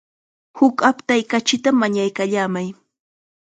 Huk aptay kachita mañaykallamay.